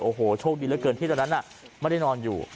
โอ้โหโชคดีเหลือเกินที่ตอนนั้นไม่ได้นอนอยู่